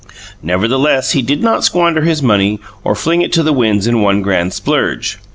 Nevertheless, he did not squander his money or fling it to the winds in one grand splurge.